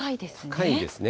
高いですね。